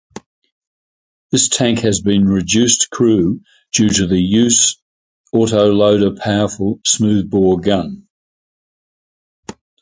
This tank has been reduced crew due to the use autoloader powerful smoothbore gun.